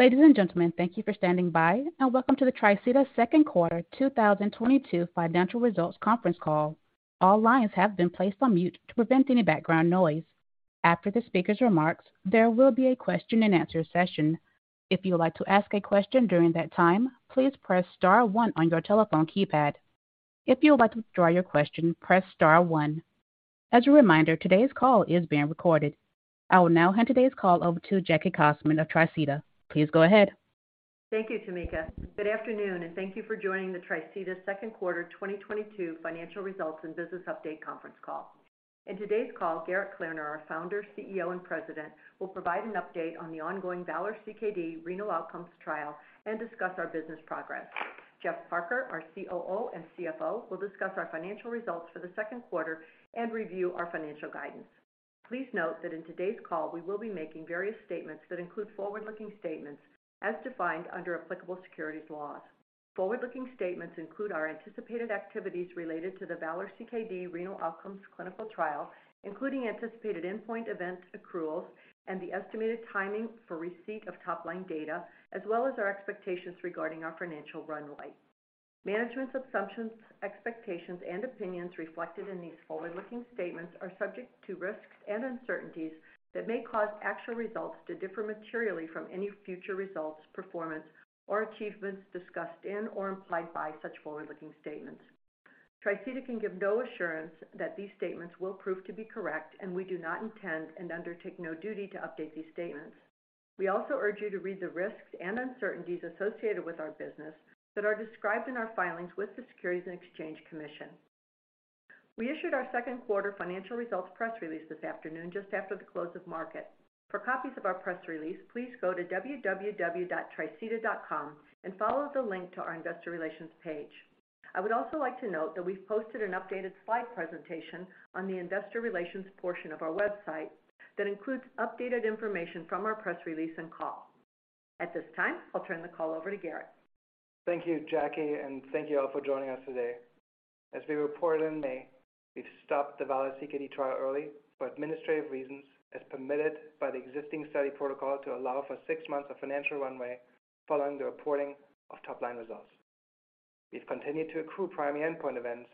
Ladies and gentlemen, thank you for standing by and welcome to the Tricida Second Quarter 2022 Financial Results Conference Call. All lines have been placed on mute to prevent any background noise. After the speaker's remarks, there will be a question-and-answer session. If you would like to ask a question during that time, please press star one on your telephone keypad. If you would like to withdraw your question, press star one. As a reminder, today's call is being recorded. I will now hand today's call over to Jackie Cossmon of Tricida. Please go ahead. Thank you, Tamika. Good afternoon, and thank you for joining the Tricida Second Quarter 2022 Financial Results and Business Update Conference Call. In today's call, Gerrit Klaerner, our Founder, CEO, and President, will provide an update on the ongoing VALOR-CKD renal outcomes trial and discuss our business progress. Jeff Parker, our COO and CFO, will discuss our financial results for the second quarter and review our financial guidance. Please note that in today's call, we will be making various statements that include forward-looking statements as defined under applicable securities laws. Forward-looking statements include our anticipated activities related to the VALOR-CKD renal outcomes clinical trial, including anticipated endpoint events accruals, and the estimated timing for receipt of top-line data, as well as our expectations regarding our financial runway. Management's assumptions, expectations, and opinions reflected in these forward-looking statements are subject to risks and uncertainties that may cause actual results to differ materially from any future results, performance, or achievements discussed in or implied by such forward-looking statements. Tricida can give no assurance that these statements will prove to be correct, and we do not intend and undertake no duty to update these statements. We also urge you to read the risks and uncertainties associated with our business that are described in our filings with the Securities and Exchange Commission. We issued our second quarter financial results press release this afternoon just after the close of market. For copies of our press release, please go to www.tricida.com and follow the link to our investor relations page. I would also like to note that we've posted an updated slide presentation on the investor relations portion of our website that includes updated information from our press release and call. At this time, I'll turn the call over to Gerrit. Thank you, Jackie. Thank you all for joining us today. As we reported in May, we've stopped the VALOR-CKD trial early for administrative reasons, as permitted by the existing study protocol to allow for six months of financial runway following the reporting of top-line results. We've continued to accrue primary endpoint events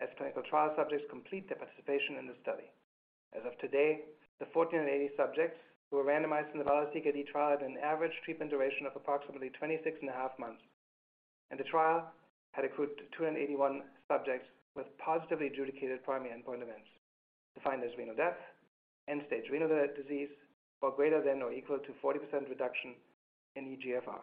as clinical trial subjects complete their participation in the study. As of today, the 148 subjects who were randomized in the VALOR-CKD trial had an average treatment duration of approximately 26.5 months, and the trial had accrued 281 subjects with positively adjudicated primary endpoint events defined as renal death, end-stage renal disease, or ≥40% reduction in eGFR.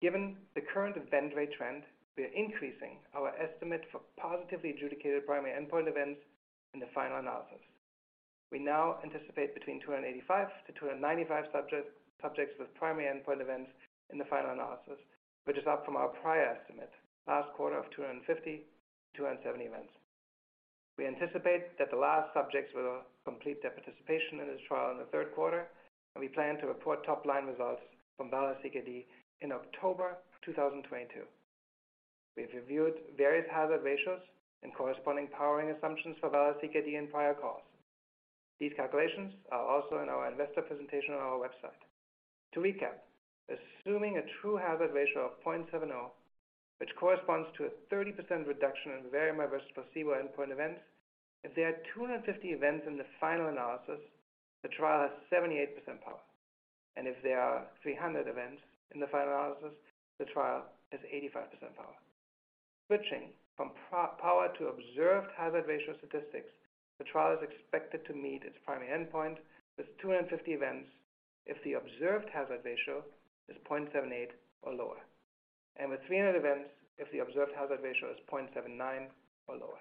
Given the current event rate trend, we are increasing our estimate for positively adjudicated primary endpoint events in the final analysis. We now anticipate between 285 and 295 subjects with primary endpoint events in the final analysis, which is up from our prior estimate last quarter of 250-270 events. We anticipate that the last subjects will complete their participation in this trial in the third quarter, and we plan to report top-line results from VALOR-CKD in October 2022. We've reviewed various hazard ratios and corresponding powering assumptions for VALOR-CKD in prior calls. These calculations are also in our investor presentation on our website. To recap, assuming a true hazard ratio of 0.70, which corresponds to a 30% reduction in veverimer versus placebo endpoint events, if there are 250 events in the final analysis, the trial has 78% power. If there are 300 events in the final analysis, the trial has 85% power. Switching from power to observed hazard ratio statistics, the trial is expected to meet its primary endpoint with 250 events if the observed hazard ratio is 0.78 or lower, and with 300 events if the observed hazard ratio is 0.79 or lower.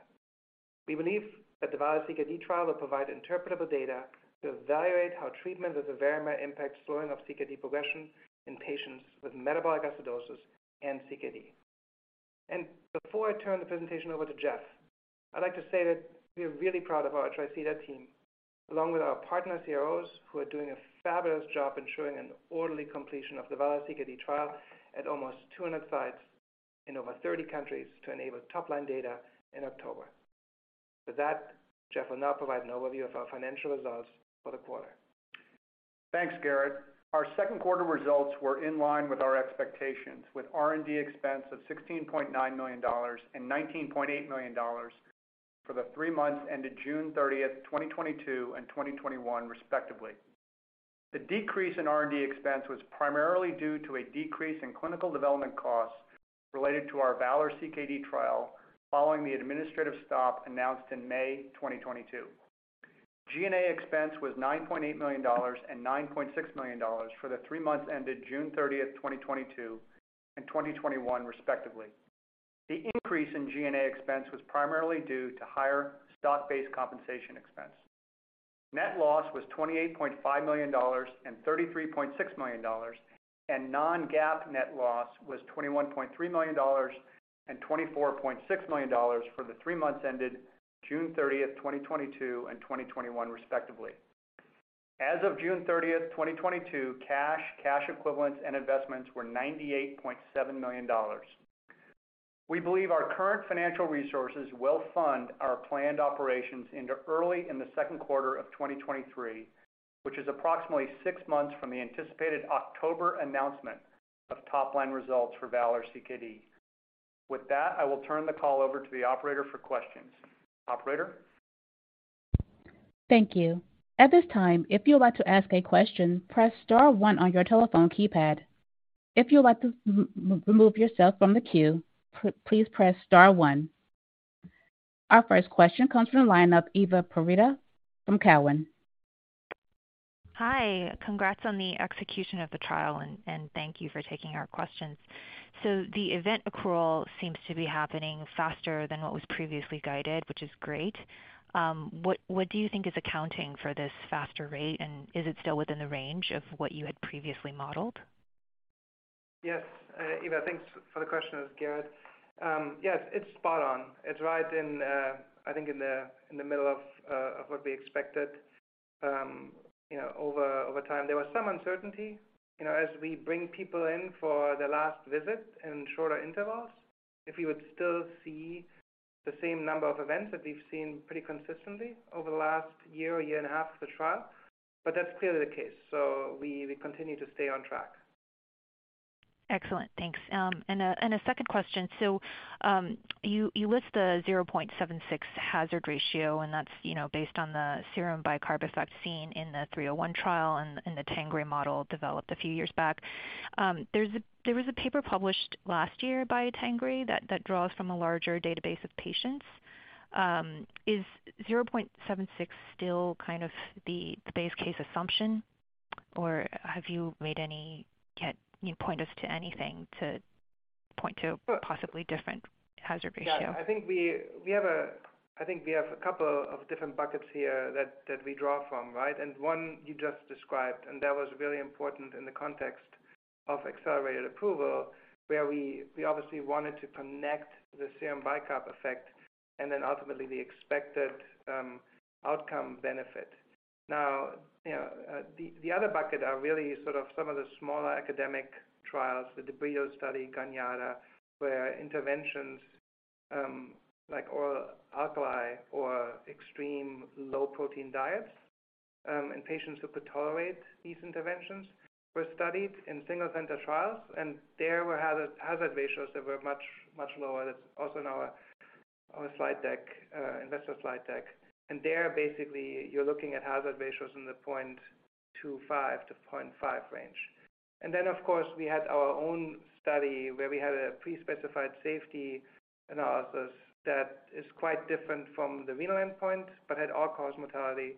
We believe that the VALOR-CKD trial will provide interpretable data to evaluate how treatment with veverimer impacts slowing of CKD progression in patients with metabolic acidosis and CKD. Before I turn the presentation over to Jeff, I'd like to say that we are really proud of our Tricida team, along with our partner CROs, who are doing a fabulous job ensuring an orderly completion of the VALOR-CKD trial at almost 200 sites in over 30 countries to enable top-line data in October. With that, Jeff will now provide an overview of our financial results for the quarter. Thanks, Gerrit. Our second quarter results were in line with our expectations with R&D expense of $16.9 million and $19.8 million for the three months ended June 30th, 2022 and 2021 respectively. The decrease in R&D expense was primarily due to a decrease in clinical development costs related to our VALOR-CKD trial following the administrative stop announced in May 2022. G&A expense was $9.8 million and $9.6 million for the three months ended June 30th, 2022 and 2021 respectively. The increase in G&A expense was primarily due to higher stock-based compensation expense. Net loss was $28.5 million and $33.6 million, and non-GAAP net loss was $21.3 million and $24.6 million for the three months ended June 30th, 2022 and 2021 respectively. As of June 30th, 2022, cash, cash equivalents, and investments were $98.7 million. We believe our current financial resources will fund our planned operations into early in the second quarter of 2023, which is approximately six months from the anticipated October announcement of top line results for VALOR-CKD. With that, I will turn the call over to the operator for questions. Operator. Thank you. At this time, if you'd like to ask a question, press star one on your telephone keypad. If you'd like to remove yourself from the queue, please press star one. Our first question comes from the line of Eva Privitera from Cowen. Hi. Congrats on the execution of the trial, and thank you for taking our questions. The event accrual seems to be happening faster than what was previously guided, which is great. What do you think is accounting for this faster rate? And is it still within the range of what you had previously modeled? Yes. Eva, thanks for the question. This is Gerrit. Yes, it's spot on. It's right in, I think, in the middle of what we expected, you know, over time. There was some uncertainty, you know, as we bring people in for the last visit in shorter intervals, if we would still see the same number of events that we've seen pretty consistently over the last year or year and a half of the trial. That's clearly the case. We continue to stay on track. Excellent. Thanks. Second question. You list the 0.76 hazard ratio, and that's, you know, based on the serum bicarbonate I've seen in the 301 trial and the Tangri model developed a few years back. There was a paper published last year by Tangri that draws from a larger database of patients. Is 0.76 still kind of the base case assumption, or can you point us to anything to point to possibly different hazard ratio? Yeah. I think we have a couple of different buckets here that we draw from, right? One you just described, and that was really important in the context of accelerated approval, where we obviously wanted to connect the serum bicarb effect and then ultimately the expected outcome benefit. Now, the other bucket are really sort of some of the smaller academic trials, the de Brito study, Garneata, where interventions like oral alkali or extreme low-protein diets in patients who could tolerate these interventions were studied in single-center trials. There we had hazard ratios that were much, much lower. That's also in our slide deck, investor slide deck. There, basically you're looking at hazard ratios in the 0.25-0.5 range. Then of course, we had our own study where we had a pre-specified safety analysis that is quite different from the renal endpoint, but had all-cause mortality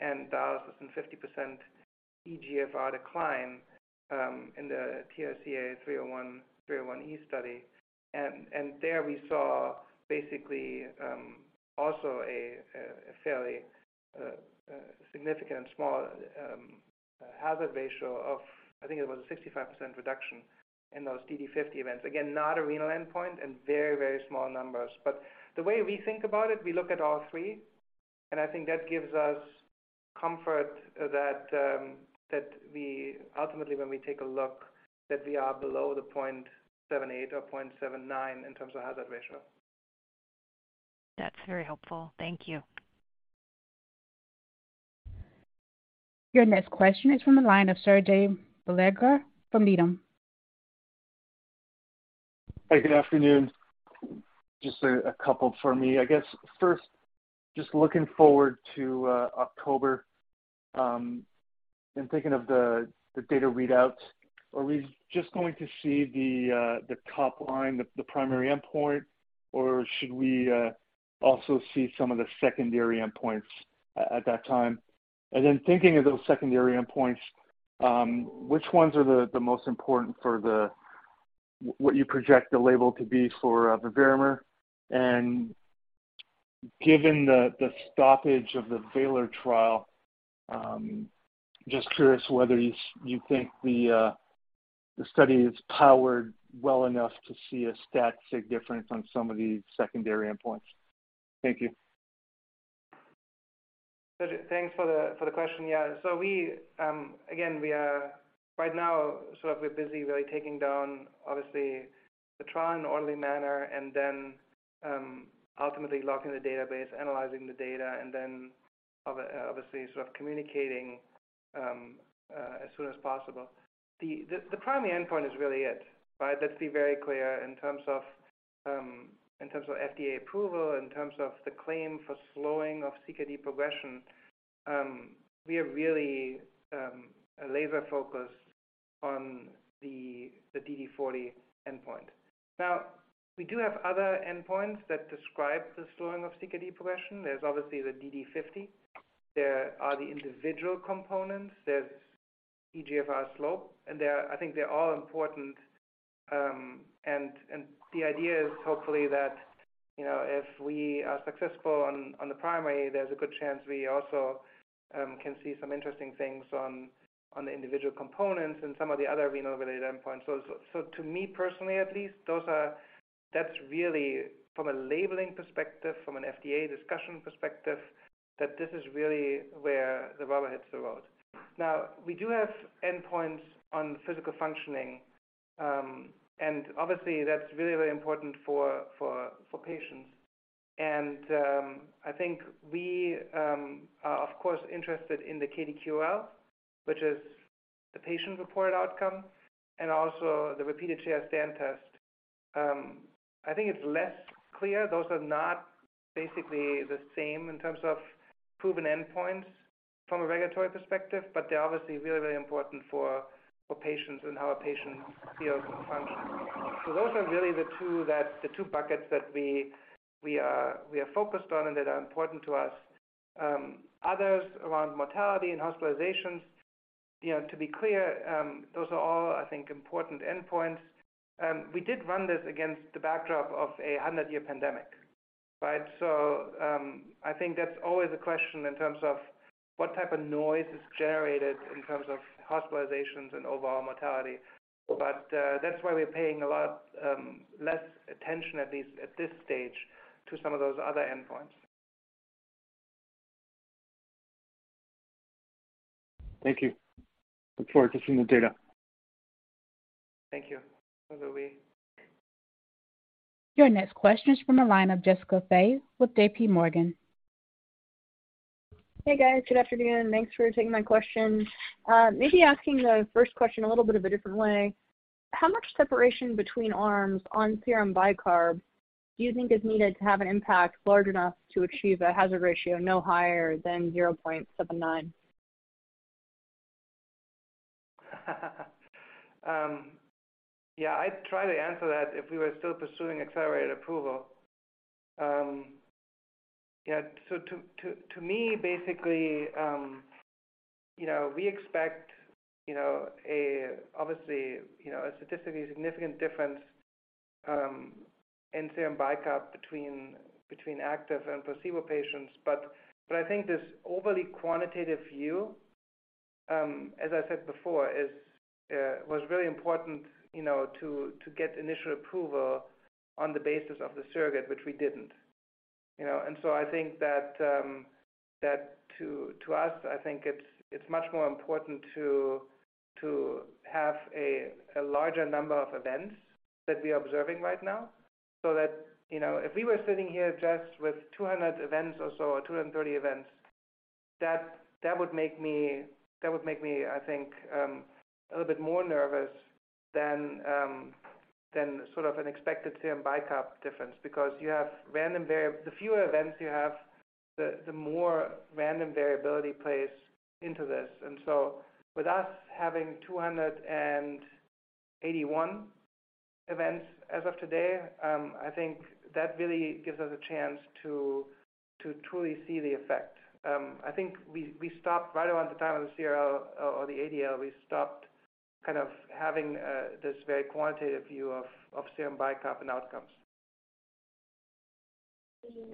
and dialysis and 50% eGFR decline in the TRCA-301, 301E study. There we saw basically also a fairly significant and small hazard ratio of, I think it was a 65% reduction in those DD50 events. Again, not a renal endpoint and very, very small numbers. The way we think about it, we look at all three, and I think that gives us comfort that we ultimately, when we take a look, that we are below the 0.78 or 0.79 in terms of hazard ratio. That's very helpful. Thank you. Your next question is from the line of Serge Belanger from Needham. Hey, good afternoon. Just a couple from me. I guess first, just looking forward to October and thinking of the data readouts. Are we just going to see the top line, the primary endpoint, or should we also see some of the secondary endpoints at that time? Thinking of those secondary endpoints, which ones are the most important for the what you project the label to be for veverimer? Given the stoppage of the VALOR trial, just curious whether you think the study is powered well enough to see a stat sig difference on some of these secondary endpoints. Thank you. Serge, thanks for the question. Yeah. We, again, we are right now, sort of we're busy really taking down obviously the trial in an orderly manner and then, ultimately locking the database, analyzing the data, and then obviously sort of communicating, as soon as possible. The primary endpoint is really it, right? Let's be very clear in terms of FDA approval, in terms of the claim for slowing of CKD progression, we are really laser-focused on the DD40 endpoint. Now, we do have other endpoints that describe the slowing of CKD progression. There's obviously the DD50. There are the individual components. There's eGFR slope, and they are. I think they're all important. The idea is hopefully that, you know, if we are successful on the primary, there's a good chance we also can see some interesting things on the individual components and some of the other renal-related endpoints. To me personally at least, those are that's really from a labeling perspective, from an FDA discussion perspective, that this is really where the rubber hits the road. Now, we do have endpoints on physical functioning, and obviously that's really very important for patients. I think we are of course interested in the KDQOL, which is the patient-reported outcome and also the repeated chair stand test. I think it's less clear. Those are not basically the same in terms of proven endpoints from a regulatory perspective, but they're obviously really very important for patients and how a patient feels and functions. Those are really the two buckets that we are focused on and that are important to us. Others around mortality and hospitalizations, you know, to be clear, those are all, I think, important endpoints. We did run this against the backdrop of a 100-year pandemic, right? I think that's always a question in terms of what type of noise is generated in terms of hospitalizations and overall mortality. We're paying a lot less attention at least at this stage to some of those other endpoints. Thank you. Look forward to seeing the data. Thank you. Over to you. Your next question is from the line of Jessica Fye with JPMorgan. Hey, guys. Good afternoon. Thanks for taking my question. Maybe asking the first question a little bit of a different way. How much separation between arms on serum bicarb do you think is needed to have an impact large enough to achieve a hazard ratio no higher than 0.79? I'd try to answer that if we were still pursuing accelerated approval. To me, basically, you know, we expect, you know, obviously, you know, a statistically significant difference in serum bicarb between active and placebo patients. I think this overly quantitative view, as I said before, was very important, you know, to get initial approval on the basis of the surrogate, which we didn't. You know, I think that to us, I think it's much more important to have a larger number of events that we are observing right now so that, you know, if we were sitting here just with 200 events or so or 230 events, that would make me, I think, a little bit more nervous than sort of an expected serum bicarb difference because the fewer events you have, the more random variability plays into this. With us having 281 events as of today, I think that really gives us a chance to truly see the effect. I think we stopped right around the time of the CRL or the ADL. We stopped kind of having this very quantitative view of serum bicarb in outcomes.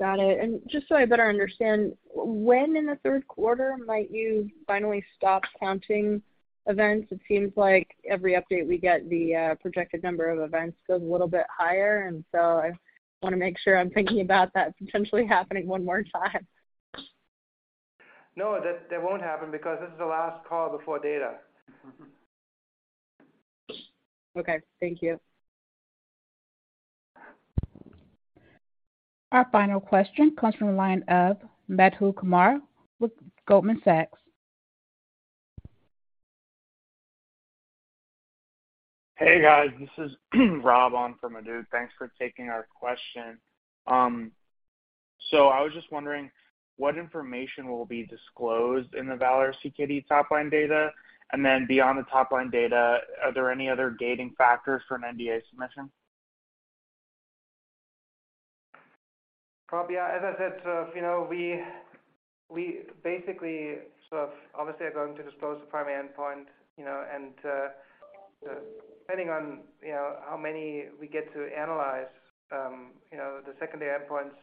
Got it. Just so I better understand, when in the third quarter might you finally stop counting events? It seems like every update we get, the projected number of events goes a little bit higher, and so I wanna make sure I'm thinking about that potentially happening one more time. No, that won't happen because this is the last call before data. Okay. Thank you. Our final question comes from the line of Madhu Kumar with Goldman Sachs. Hey, guys, this is Rob on from Madhu. Thanks for taking our question. So I was just wondering what information will be disclosed in the VALOR-CKD top line data. Then beyond the top line data, are there any other gating factors for an NDA submission? Rob, yeah, as I said, you know, we basically sort of obviously are going to disclose the primary endpoint, you know, and depending on, you know, how many we get to analyze, you know, the secondary endpoints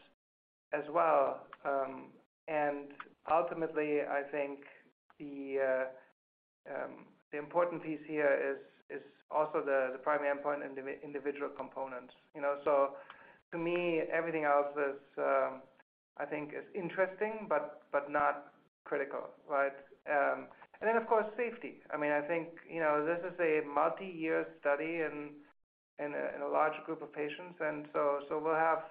as well. Ultimately, I think the important piece here is also the primary endpoint individual components, you know? To me, everything else is, I think, interesting but not critical, right? Of course safety. I mean, I think, you know, this is a multiyear study and in a large group of patients, and so we'll have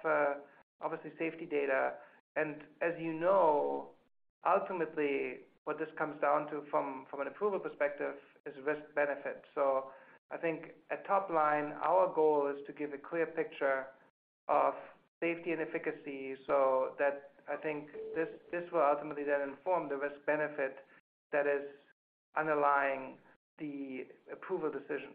obviously safety data. As you know, ultimately what this comes down to from an approval perspective is risk-benefit. I think at top-line, our goal is to give a clear picture of safety and efficacy so that I think this will ultimately then inform the risk-benefit that is underlying the approval decision.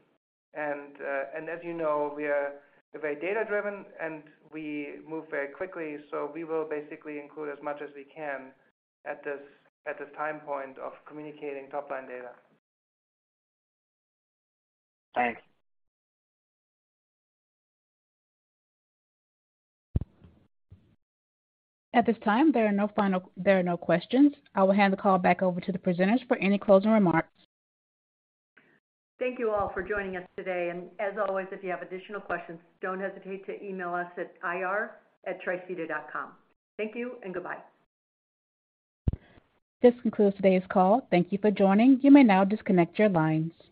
As you know, we are very data-driven, and we move very quickly, so we will basically include as much as we can at this time point of communicating top-line data. Thanks. At this time, there are no questions. I will hand the call back over to the presenters for any closing remarks. Thank you all for joining us today. As always, if you have additional questions, don't hesitate to email us at ir@tricida.com. Thank you and goodbye. This concludes today's call. Thank you for joining. You may now disconnect your lines.